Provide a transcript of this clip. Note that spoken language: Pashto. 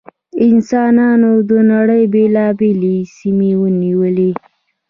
انسانانو د نړۍ بېلابېلې سیمې ونیولې.